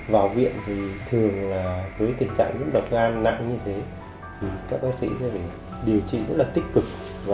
có thể không phục hồi được